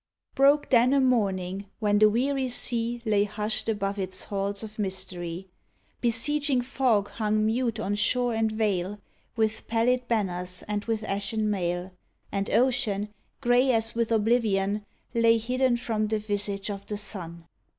Broke then a morning when the weary sea Lay husht above its halls of mystery; Besieging fog hung mute on shore and vale. With pallid banners and with ashen mail, And ocean, grey as with oblivion, Lay hidden from the visage of the sun.